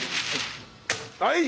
はい！